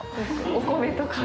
お米とかね